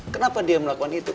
kenapa dia melakukan itu